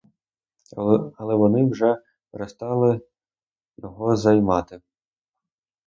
Але вони вже перестали його займати.